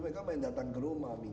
mereka main datang ke rumah minggu malam